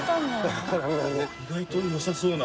意外とよさそうな。